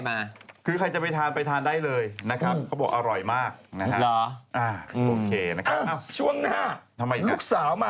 ห้ามเข้ามาในครัวโดยเด็ดขาด